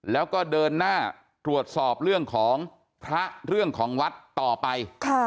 แล้วก็เดินหน้าตรวจสอบเรื่องของพระเรื่องของวัดต่อไป